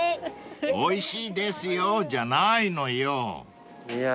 ［おいしいですよじゃないのよ］